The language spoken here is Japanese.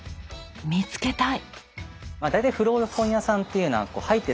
見つけたい！